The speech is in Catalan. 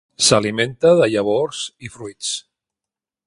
S'alimenta de llavors i fruits.